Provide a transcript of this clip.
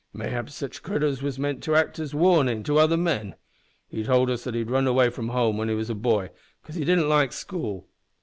Mayhap sitch critters was meant to act as warnin's to other men. He told us that he'd runned away from home when he was a boy 'cause he didn't like school.